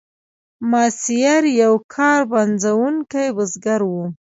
ماسیر یو کار پنځوونکی بزګر و.